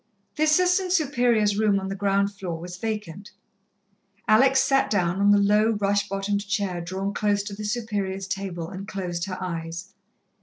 The Assistant Superior's room on the ground floor was vacant. Alex sat down on the low, rush bottomed chair drawn close to the Superior's table, and closed her eyes.